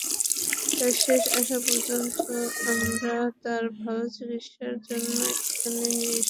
তাই শেষ আশা পর্যন্ত আমরা তার ভালো চিকিৎসার জন্যই এখানে নিয়ে এসেছি।